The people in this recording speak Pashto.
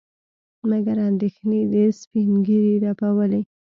مګر اندېښنې د سپينږيري رپولې.